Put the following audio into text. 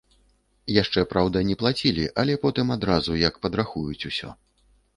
Яшчэ, праўда, не плацілі, але потым адразу, як падрахуюць усё.